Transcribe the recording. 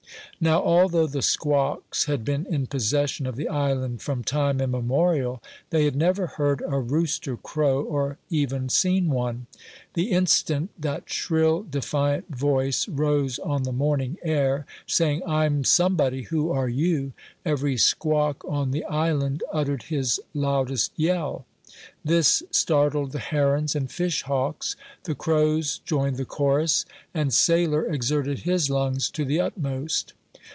Now, although the squawks had been in possession of the island from time immemorial, they had never heard a rooster crow, or even seen one. The instant that shrill, defiant voice rose on the morning air, saying, "I'm somebody; who are you?" every squawk on the island uttered his loudest yell. This startled the herons and fish hawks; the crows joined the chorus, and Sailor exerted his lungs to the utmost.